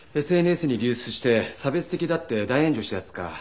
ＳＮＳに流出して差別的だって大炎上したやつか。